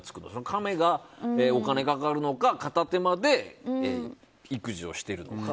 カメがお金かかるのか片手間で育児をしているのか。